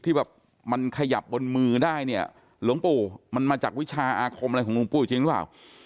ที่แบบมันขยับบนมือได้เนี่ยหลวงปู่มันมาจากวิชาอาคมอะไรของหลวงปู่จริงหรือเปล่า